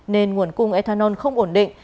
nên nguồn cung ethanol không ổn định